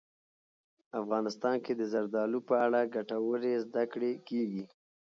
افغانستان کې د زردالو په اړه ګټورې زده کړې کېږي.